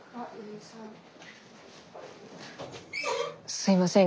すいません。